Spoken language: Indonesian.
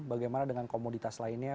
bagaimana dengan komoditas lainnya